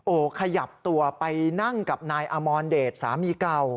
โอ้โหขยับตัวไปนั่งกับนายอมรเดชสามีเก่า